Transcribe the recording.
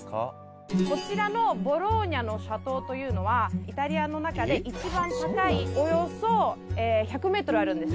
こちらのボローニャの斜塔というのはイタリアのなかでいちばん高いおよそ１００ｍあるんです。